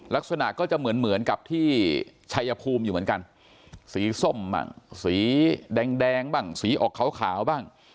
ลักษณะก็จะเหมือนกับที่ชัยภูมิอยู่เหมือนกันสีส้มบ้างสีแดงบ้างสีออกขาวบ้าง